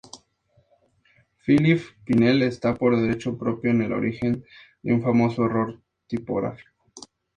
Philippe Pinel está, por derecho propio, en el origen de un famoso error tipográfico.